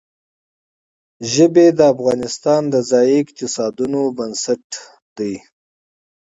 ژبې د افغانستان د ځایي اقتصادونو بنسټ دی.